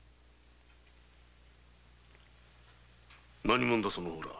何者だその方ら？